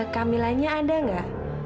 kamilanya ada nggak